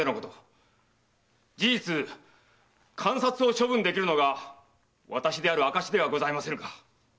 事実鑑札を処分できるのが私である証ではございませぬか。